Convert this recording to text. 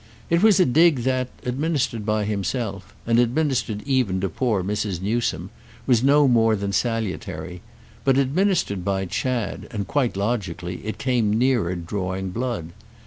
It was a dig that, administered by himself—and administered even to poor Mrs. Newsome—was no more than salutary; but administered by Chad—and quite logically—it came nearer drawing blood.